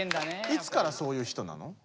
いつからそういう人なの？